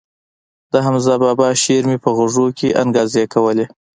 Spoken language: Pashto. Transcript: د حمزه بابا شعر مې په غوږو کښې انګازې کولې.